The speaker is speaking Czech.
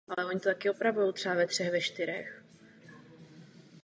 Již v počátcích kariéry napsal původní literárně kritickou Teorií románu.